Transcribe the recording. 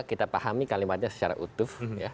kita pahami kalimatnya secara utuh